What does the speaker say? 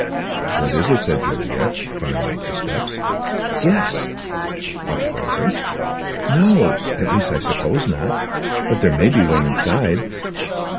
"What is it?" said Juliet, coming up the steps. "Guess!" "A present?" "No; at least I suppose not; but there may be one inside."